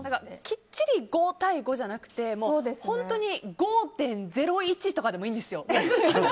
きっちり５対５じゃなくて５．０１とかでもいいんですよ。